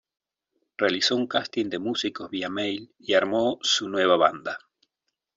Realizó un casting de músicos vía mail y armó su nueva banda.